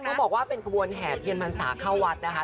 ท่านบอกว่าเป็นคนแห่เธียนมันสาเข้าวัดนะคะ